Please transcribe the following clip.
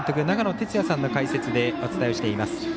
長野哲也さんの解説でお伝えしています。